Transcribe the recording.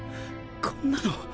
こんなの。